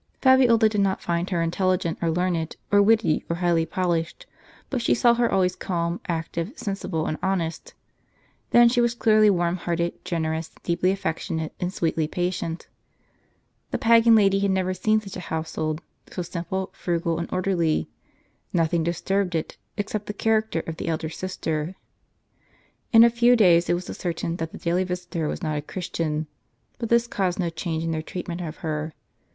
Fabiola did not find her intelligent, or learned, or witty, or highly polished; but she saw her always calm, active, sensible, and honest. Then she was clearly warm hearted, generous, deeply affectionate, and sweetly patient. The pagan lady had never seen such a household, — so simple, frugal, and orderly. Nothing dis turbed it, except the character of the elder sister. In a few days it was ascertained that the daily visitor was not a Chris tian ; but this caused no change in their treatment of her.